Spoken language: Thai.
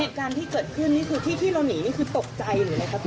เหตุการณ์ที่เกิดขึ้นนี่คือที่ที่เราหนีนี่คือตกใจหรืออะไรครับพี่